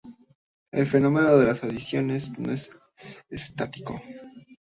El fenómeno de las adicciones, no es estático.